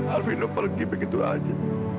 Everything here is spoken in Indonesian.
arfino pergi begitu aja